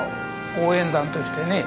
応援団としてね